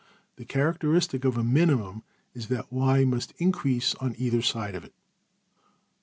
The characteristic of a minimum is that $y$~must increase \emph{on either side} of it.